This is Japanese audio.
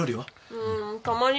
うーんたまに。